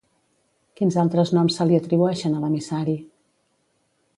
Quins altres noms se li atribueixen a l'emissari?